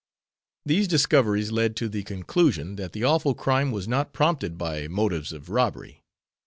These discoveries led to the conclusion that the awful crime was not prompted by motives of robbery.